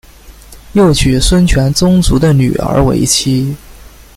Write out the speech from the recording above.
又娶孙权宗族的女儿为妻。